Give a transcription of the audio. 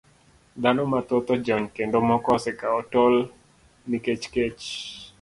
Dhano mathoth ojony kendo moko osekawo tol nikech kech.